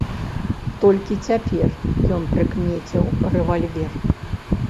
Толькі цяпер ён прыкмеціў рэвальвер.